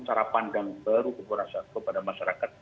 cara pandang baru kepada masyarakat